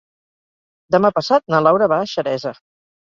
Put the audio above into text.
Demà passat na Laura va a Xeresa.